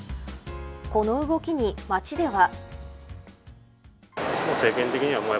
この動きに街では。